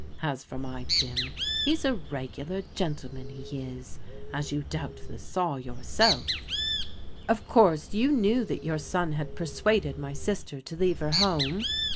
As for my Jim, he's a regular gentleman, he is, as you doubtless saw yourself." " Of course you knew that your son had persuaded my sister to leave her home